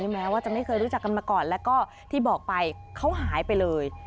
แม้ว่าจะไม่เคยรู้จักกันมาก่อนแล้วก็ที่บอกไปเขาหายไปเลย